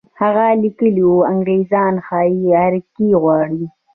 هغه لیکلي وو انګرېزان ښې اړیکې غواړي.